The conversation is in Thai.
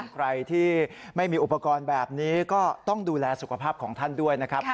ใครที่ไม่มีอุปกรณ์แบบนี้ก็ต้องดูแลสุขภาพของท่านด้วยนะครับ